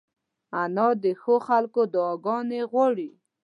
انا د ښو خلکو دعاګانې غواړي